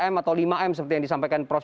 tiga m atau lima m seperti yang disampaikan prof